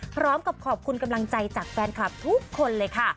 พร้อมกับขอบคุณกำลังใจจากแฟนคลับทุกคนเลยค่ะ